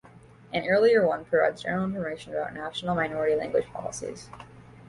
An earlier one provides general information about national minority language policies.